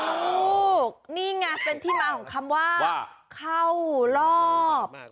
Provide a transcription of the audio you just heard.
ลูกนี่ไงเป็นที่มาของคำว่าเข้ารอบ